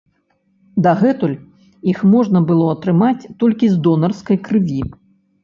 Дагэтуль іх можна было атрымаць толькі з донарскай крыві.